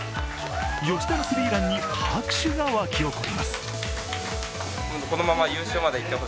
吉田のスリーランに拍手が沸き起こります。